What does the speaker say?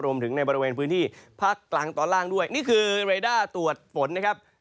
ในบริเวณพื้นที่ภาคกลางตอนล่างด้วยนี่คือเรด้าตรวจฝนนะครับ